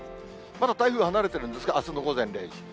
まだ台風は離れてるんですが、あすの午前０時。